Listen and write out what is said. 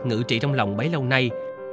ngự trị trong lòng bấy lâu nay